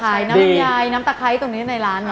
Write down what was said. ขายน้ำยายน้ำตาไคร้ส์ในนี้ในร้านเนาะ